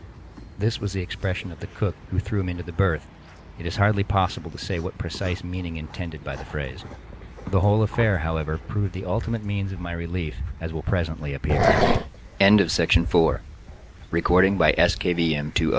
This was the expression of the cook, who threw him into the berth—it is hardly possible to say what precise meaning intended by the phrase. The whole affair, however, proved the ultimate means of my relief, as will presently appear. CHAPTER 5 For some minutes after the cook had lef